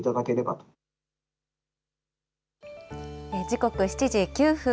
時刻７時９分。